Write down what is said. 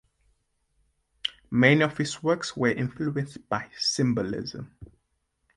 Many of his works were influenced by Symbolism.